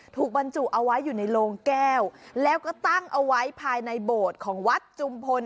บรรจุเอาไว้อยู่ในโลงแก้วแล้วก็ตั้งเอาไว้ภายในโบสถ์ของวัดจุมพล